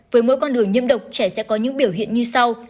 với mỗi con đường nhiễm độc trẻ sẽ có những biểu hiện như sau